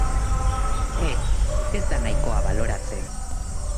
Ez, ez da nahikoa baloratzen.